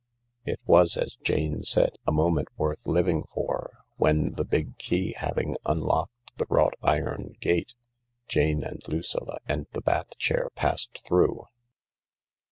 It was, as Jane said, a moment worth living for, when, the big key having unlocked the wrought iron gate, Jane and Lucilla and the bath chair passed through.